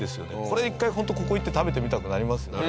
これ一回ホントここ行って食べてみたくなりますよね。